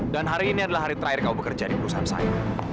dan hari ini adalah hari terakhir kamu bekerja di perusahaan saya